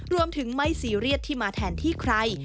รวมถึงไม่ซีเรียสที่มาแทนที่ใคร